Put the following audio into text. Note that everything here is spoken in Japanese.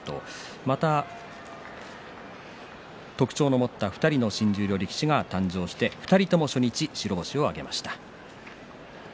また特徴を持った２人の新十両力士が誕生して２人とも初日、白星を挙げました。